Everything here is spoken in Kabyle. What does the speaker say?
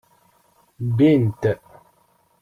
Bbin-t.